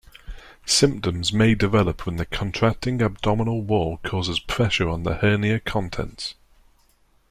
Symptoms may develop when the contracting abdominal wall causes pressure on the hernia contents.